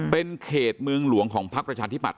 เป็นเขตเมืองหลวงของพักประชาธิบัต